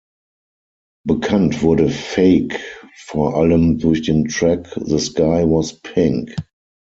Bekannt wurde Fake vor allem durch den Track "The Sky Was Pink".